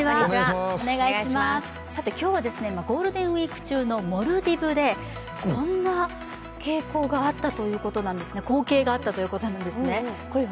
今日はゴールデンウイーク中のモルディブでこんな光景があったということなんですね。